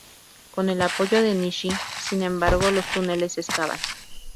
Con el apoyo de Nishi, sin embargo, los túneles se excavan.